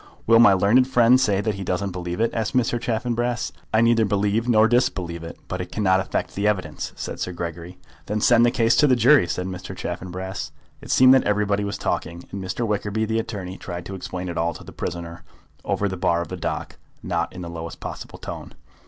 "Will my learned friend say that he doesn't believe it?" asked Mr. Chaffanbrass. "I neither believe nor disbelieve it; but it cannot affect the evidence," said Sir Gregory. "Then send the case to the jury," said Mr. Chaffanbrass. It seemed that everybody was talking, and Mr. Wickerby, the attorney, tried to explain it all to the prisoner over the bar of the dock, not in the lowest possible voice.